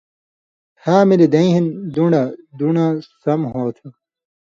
ہاملی دیں ہِن دُن٘ڑہۡ/دُݨہۡ سم ہوتھو۔